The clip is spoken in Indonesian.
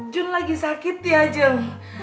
jun lagi sakit ya jun